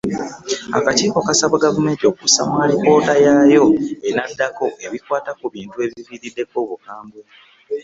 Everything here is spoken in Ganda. Akakiiko kasaba Gavumenti okussa mu alipoota yaayo enaddako ebikwata ku bintu ebiviirako obukambwe.